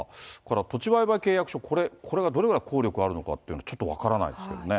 土地売買契約書、これがどれぐらい効力があるのかっていうの、ちょっと分からないですけどね。